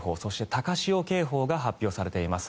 高潮警報が発表されています。